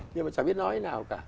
nhưng mà chả biết nói thế nào cả